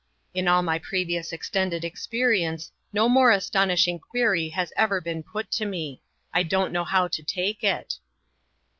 In all my previous extended experi ence no more astonishing query has ever been put to me. I don't know how to take it."